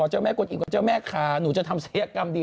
เจ้าแม่ก๋วนอิ้มก็ขอเจ้าแม่ก๋วนอิมก่อนเถอะ